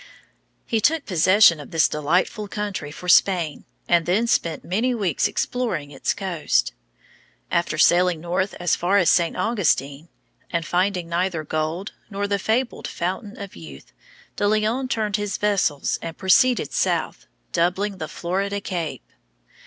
He took possession of this delightful country for Spain, and then spent many weeks exploring its coast. After sailing north as far as St. Augustine, and finding neither gold nor the fabled Fountain of Youth, De Leon turned his vessels and proceeded south, doubling the Florida Cape.